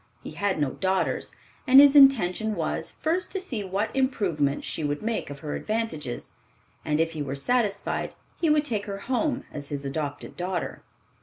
He had no daughters, and his intention was, first to see what improvement she would make of her advantages, and if he were satisfied, he would take her home as his adopted daughter.